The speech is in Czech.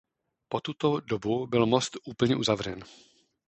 Po tuto dobu byl most úplně uzavřen.